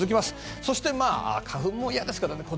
そして、花粉も嫌ですけどね